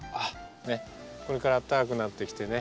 これからあったかくなってきてね